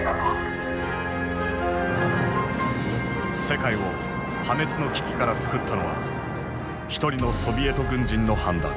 世界を破滅の危機から救ったのは一人のソビエト軍人の判断。